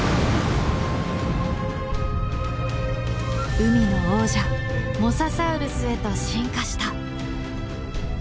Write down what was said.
海の王者モササウルスへと進化した。